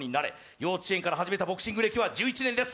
幼稚園から始めたボクシング歴は１１年です。